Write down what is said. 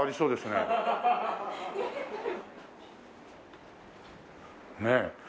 ねえ。